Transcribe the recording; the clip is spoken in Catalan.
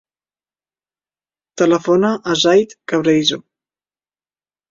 Telefona al Zayd Cabrerizo.